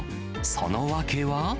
その訳は。